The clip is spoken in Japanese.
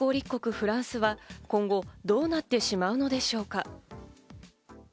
フランスは今後、どうなってしまうのでしょうか？